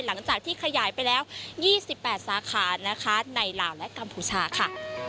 หลังจากที่ขยายไปแล้ว๒๘สาขานะคะในลาวและกัมพูชาค่ะ